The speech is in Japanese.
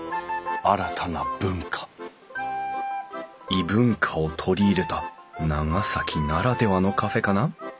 異文化を取り入れた長崎ならではのカフェかな？